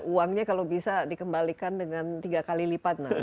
uangnya kalau bisa dikembalikan dengan tiga kali lipat